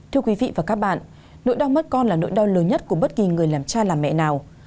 thưa quý vị và các bạn nỗi đau mất con là nỗi đau lớn nhất của bất kỳ người làm cha làm mẹ nào